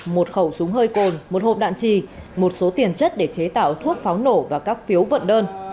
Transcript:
một khẩu súng hơi cồn một hộp đạn trì một số tiền chất để chế tạo thuốc pháo nổ và các phiếu vận đơn